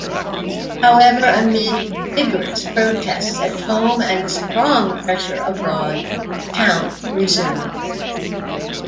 However, amid vigorous protests at home and strong pressure abroad, the count resumed.